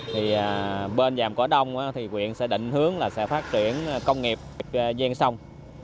thì bên vàm cỏ đông thì quyện sẽ định hướng là sẽ phát triển công nghiệp gian sông